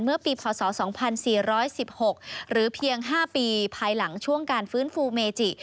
เมื่อปีพศ๒๔๑๖หรือเพียง๕ปีภายหลังช่วงการฟื้นฟูเมจิ